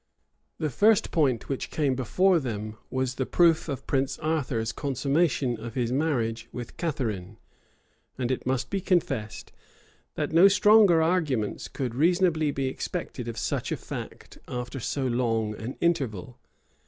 The first point which came before them was, the proof of Prince Arthur's consummation of his marriage with Catharine; and it must be confessed, that no stronger arguments could reasonably be expected of such a fact after so long an interval.